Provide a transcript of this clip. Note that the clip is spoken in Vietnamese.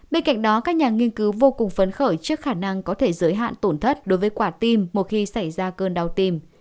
bên cạnh đó các nhà nghiên cứu vô cùng phấn khởi trước khả năng có thể giới hạn tổn thất đối với quả tim một khi xảy ra cơn đau tim